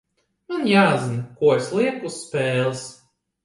Man jāzina, ko es lieku uz spēles.